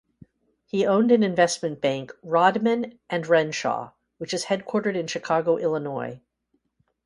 He owned an investment bank "Rodman and Renshaw" which is headquartered in Chicago, Illinois.